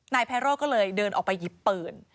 ไพโร่ก็เลยเดินออกไปหยิบปืน